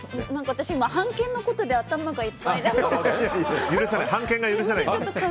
私は半券のことで頭がいっぱいで。